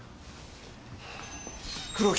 黒木